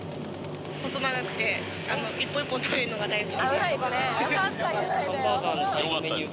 細長くて、一本一本食べるのが大好きです。